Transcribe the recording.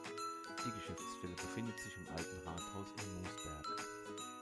Die Geschäftsstelle befindet sich im alten Rathaus in Musberg.